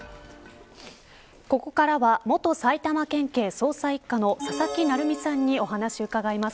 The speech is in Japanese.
ここからは元埼玉県警捜査一課の佐々木成三さんにお話を伺います。